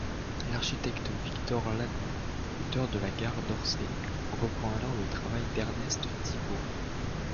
L’architecte Victor Laloux, auteur de la gare d’Orsay, reprend alors le travail d’Ernest Thibeau.